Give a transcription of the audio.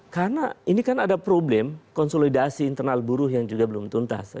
karena ini kan ada problem konsolidasi internal buruh yang juga belum tuntas